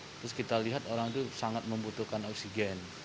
terus kita lihat orang itu sangat membutuhkan oksigen